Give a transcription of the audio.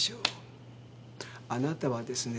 あなたはですね